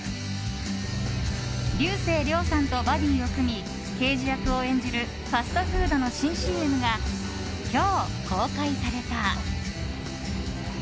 竜星涼さんとバディーを組み刑事役を演じるファストフードの新ＣＭが今日、公開された。